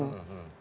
nah artinya kan